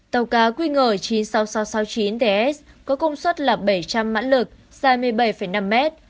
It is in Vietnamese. tàu cá qng chín mươi sáu nghìn sáu trăm sáu mươi chín ts có công suất là bảy trăm linh mãn lực dài một mươi bảy năm mét